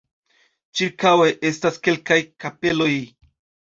Ĉirkaŭe estas kelkaj kapeloj.